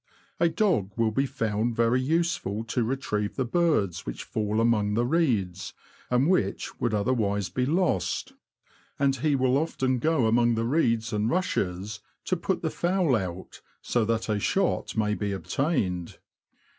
A dog will be found very useful to retrieve the birds which fall among the reeds, and which would other wise be lost ; and he will often go among the reeds and rushes, to put the fowl out, so that a shot may be obtained.